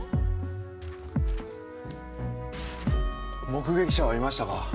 目撃者はいましたか？